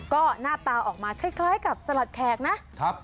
ก็หน้าตาออกมาคล้ายกับสลัดแขกนะ